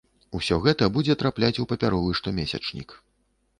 Усё гэта будзе трапляць у папяровы штомесячнік.